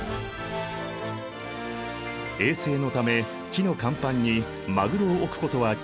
衛生のため木の甲板にマグロを置くことは禁止。